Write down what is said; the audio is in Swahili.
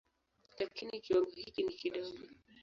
Lakini kiwango hiki ni kidogo.